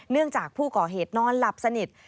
จากผู้ก่อเหตุนอนหลับสนิท